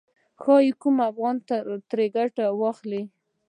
ښايي کوم افغان ترې ګټه واخلي.